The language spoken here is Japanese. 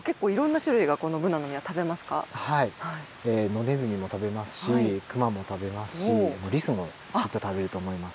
野ネズミも食べますしクマも食べますしリスもきっと食べると思います。